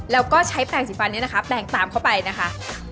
แล้วก็ใช้แปลงสีฟันนี้นะคะแปลงตามเข้าไปนะคะ